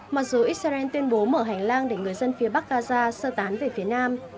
mặc dù israel tuyên bố mở hành lang để người dân phía bắc gaza sơ tán về phía nam